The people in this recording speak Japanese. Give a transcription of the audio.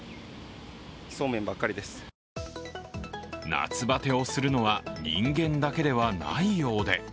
夏バテをするのは人間だけではないようで。